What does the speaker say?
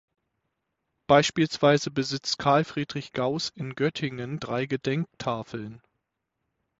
Beispielsweise besitzt Carl Friedrich Gauß in Göttingen drei Gedenktafeln.